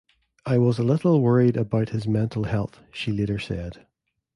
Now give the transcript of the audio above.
"I was a little worried about his mental health," she later said.